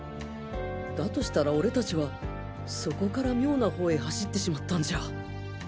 だとしたら俺たちはそこから妙なほうへ走ってしまったんじゃ！？